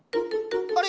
あれ？